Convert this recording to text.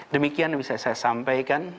demikian bisa saya sampaikan